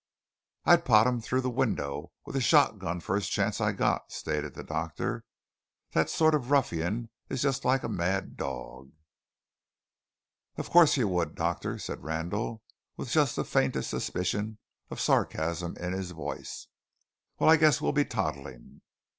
"I'd pot him through the window with a shotgun first chance I got," stated the doctor; "that sort of a ruffian is just like a mad dog." "Of course you would, Doctor," said Randall with just the faintest suspicion of sarcasm in his voice. "Well, I guess we'll be toddling."